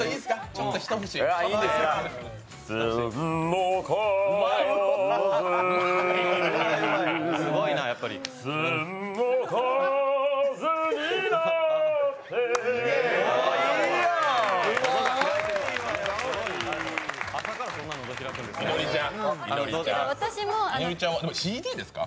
ちょっと一節いいですか。